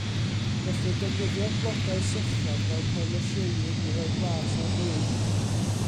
Gellir defnyddio'r blodau sychion fel perlysieuyn i roi blas ar fwyd.